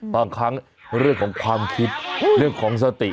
บางครั้งเรื่องของความคิดเรื่องของสติ